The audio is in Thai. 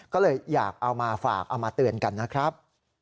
ก็เลยอยากเอามาฝากเอามาเตือนกันนะครับ